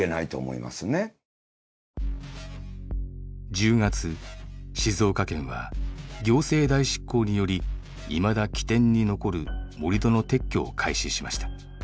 １０月静岡県は行政代執行によりいまだ起点に残る盛り土の撤去を開始しました。